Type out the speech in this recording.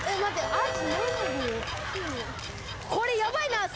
アジ。